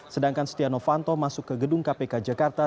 sedangkan setia novanto masuk ke gedung kpk jakarta